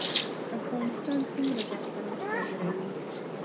افغانستان څومره زعفران صادروي؟